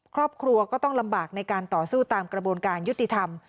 ครอบครัวก็ต้องลำบากในการต่อสู้ตามกระบวนการยุติธรรม